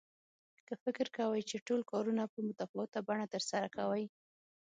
که فکر کوئ چې ټول کارونه په متفاوته بڼه ترسره کوئ.